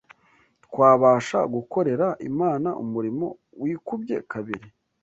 twabasha gukorera Imana umurimo wikubye kabiri.